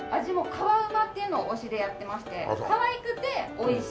「かわうま」っていうのを推しでやってまして「かわいくておいしい」。